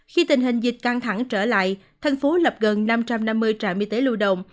khi tình hình dịch căng thẳng trở lại thành phố lập gần năm trăm năm mươi trạm y tế lưu động